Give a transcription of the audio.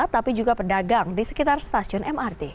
tapi juga pedagang di sekitar stasiun mrt